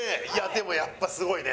でもやっぱすごいね。